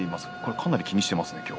かなり今日は気にしていますね。